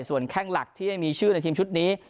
ส่วนแข้งหลักที่ไม่มีชื่อในทีมชุดนี้